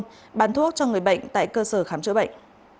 bà hiền đã bán thuốc cho người bệnh tại cơ sở khám chữa bệnh